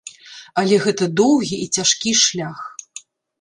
Але гэта доўгі і цяжкі шлях.